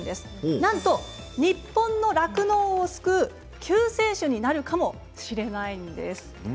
なんと日本の酪農を救う救世主になるかもしれないんです。